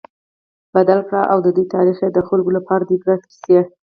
بدل کړ، او د دوی تاريخ ئي د خلکو لپاره د عبرت قيصي